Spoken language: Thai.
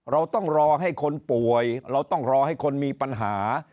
เราต้องรอให้คนป่วยเราต้องรอให้คนมีปัญหา